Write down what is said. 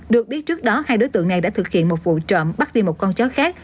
được biết trước đó hai đối tượng này đã thực hiện một vụ trộm bắt đi một con chó khác